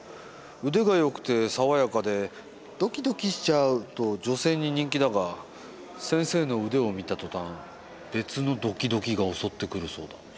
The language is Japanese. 腕が良くて爽やかでドキドキしちゃうと女性に人気だが先生の腕を見た途端別のドキドキが襲ってくるそうだ。